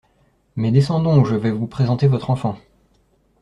Mais, descendons, je vais vous présenter votre enfant.